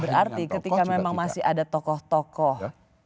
berarti ketika memang masih ada tokoh tokoh